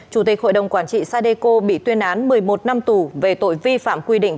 chủ tịch hội đồng quản trị sadeco bị tuyên án một mươi một năm tù về tội vi phạm quy định